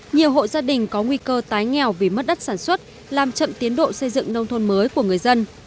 nhiều hộ gia đình có nguy cơ tái nghèo vì mất đất sản xuất làm chậm tiến độ xây dựng nông thôn mới của người dân